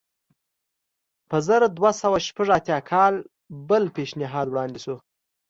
په زر دوه سوه شپږ اتیا کال بل پېشنهاد وړاندې شو.